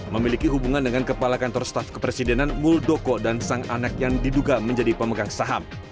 memiliki hubungan dengan kepala kantor staf kepresidenan muldoko dan sang anak yang diduga menjadi pemegang saham